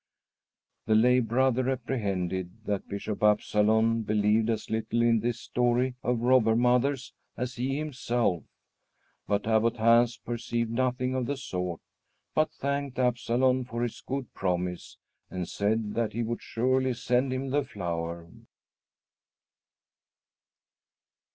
The lay brother apprehended that Bishop Absalon believed as little in this story of Robber Mother's as he himself; but Abbot Hans perceived nothing of the sort, but thanked Absalon for his good promise and said that he would surely send him the flower.